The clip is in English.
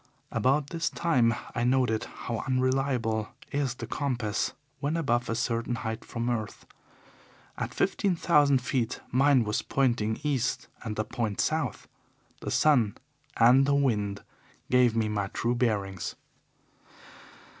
About this time I noted how unreliable is the compass when above a certain height from earth. At fifteen thousand feet mine was pointing east and a point south. The sun and the wind gave me my true bearings.